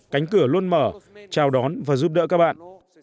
cánh cửa luôn mở chào đón và giúp đỡ các bạn